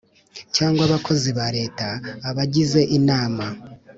Cyangwa abakozi ba leta abagize inama